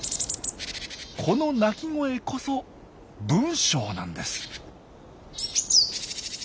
この鳴き声こそ文章なんです。